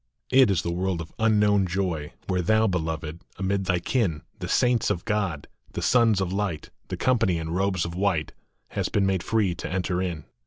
It is the world of unknown joy, Where thou, Beloved, amid thy kin, The saints of God, the Sons of Light, The company in robes of white, Hast been made free to enter in.